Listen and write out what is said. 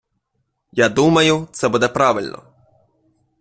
Я думаю, це буде правильно.